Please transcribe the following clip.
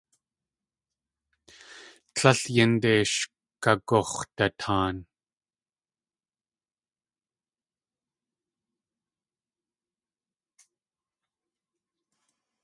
Tlél yínde sh kagux̲dataan.